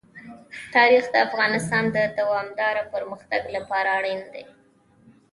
تاریخ د افغانستان د دوامداره پرمختګ لپاره اړین دي.